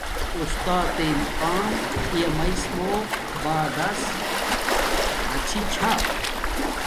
اُستاتݵ مقام پیا مݵس موہ بعدس اسݵ چھا